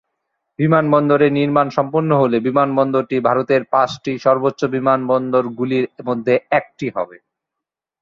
বিমানবন্দরের নির্মাণ সম্পন্ন হলে, বিমানবন্দরটি ভারতের পাঁচটি সর্বোচ্চ বিমানবন্দরগুলির মধ্যে একটি হবে।